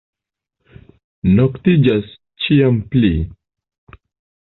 Noktiĝas ĉiam pli.